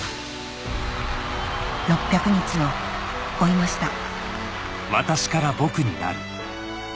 ６００日を追いました